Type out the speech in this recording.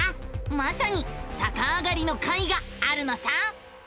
まさにさかあがりの回があるのさ！